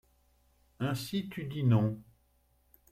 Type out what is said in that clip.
Ainsi tu dis non ?…